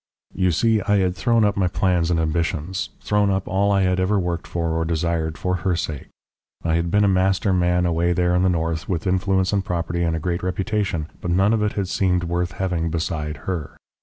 "You see, I had thrown up my plans and ambitions, thrown up all I had ever worked for or desired for her sake. I had been a master man away there in the north, with influence and property and a great reputation, but none of it had seemed worth having beside her.